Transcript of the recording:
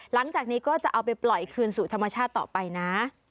หลังจากนี้ก็จะเอาไปปล่อยคืนสู่ธรรมชาติต่อไปนะ